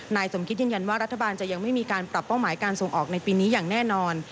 สมคิดยืนยันว่ารัฐบาลจะยังไม่มีการปรับเป้าหมายการส่งออกในปีนี้อย่างแน่นอน